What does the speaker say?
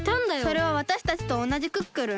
それはわたしたちとおなじクックルン？